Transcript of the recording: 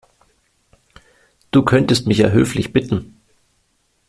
Du könntest mich ja höflich bitten.